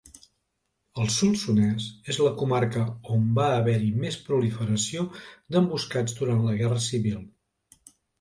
El Solsonès és la comarca on va haver-hi més proliferació d'emboscats durant la Guerra Civil.